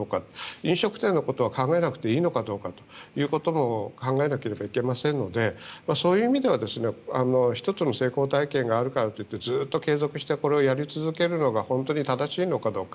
飲食店のことは考えなくていいのかどうかということは考えなければいけませんのでそういう意味では１つの成功体験があるからといってずっと継続してこれをやり続けるのが本当に正しいのかどうか。